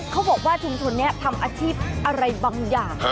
เขาบอกว่าชุมชนนี้ทำอาชีพอะไรบางอย่าง